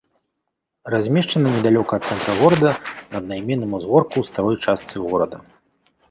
Размешчана недалёка ад цэнтра горада на аднайменным узгорку ў старой частцы горада.